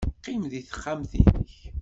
Qqim deg texxamt-nnek.